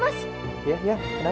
raka tau kemana